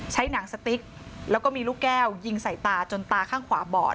หนังสติ๊กแล้วก็มีลูกแก้วยิงใส่ตาจนตาข้างขวาบอด